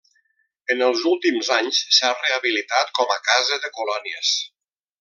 En els últims anys s'ha rehabilitat com a casa de colònies.